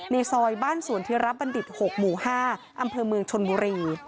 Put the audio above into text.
ในซอยบ้านสวนธิรับบัณฑิต๖หมู่๕อำเภอเมืองชนบุรี